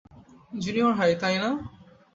Junior high, তাই না?